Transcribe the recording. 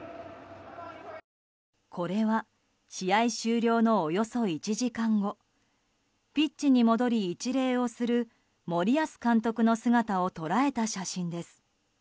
これは試合終了のおよそ１時間後ピッチに戻り一礼をする森保監督の姿を捉えた写真です。